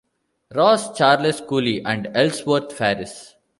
Ross, Charles Cooley, and Ellsworth Faris.